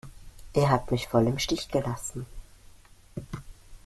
Ihr habt mich voll im Stich gelassen!